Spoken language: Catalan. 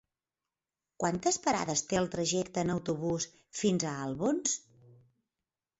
Quantes parades té el trajecte en autobús fins a Albons?